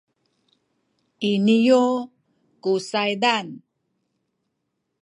iniyu ku saydan